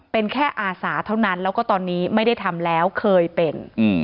เป็นแค่อาสาเท่านั้นแล้วก็ตอนนี้ไม่ได้ทำแล้วเคยเป็น